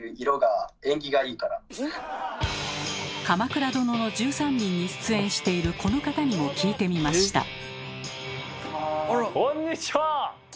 「鎌倉殿の１３人」に出演しているこの方にも聞いてみました。